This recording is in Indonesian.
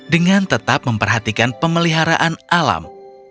dengan tetap memperhatikan pemeliharaan alam